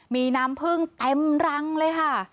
มีน้ำพึ่งเต็มรังเลยค่ะ